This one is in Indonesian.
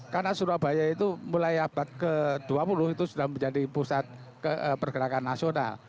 karena surabaya itu mulai abad ke dua puluh itu sudah menjadi pusat pergerakan nasional